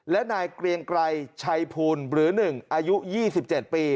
และนายเกรียงไกรชัยภูลหรือ๑อายุ๒๗ปี